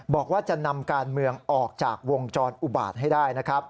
บอกว่าจะนำการเมืองออกจากวงจรอุบาตให้ได้นะครับ